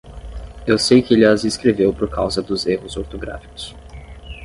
Eu sei que ele as escreveu por causa dos erros ortográficos.